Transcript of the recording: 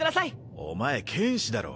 お前剣士だろ？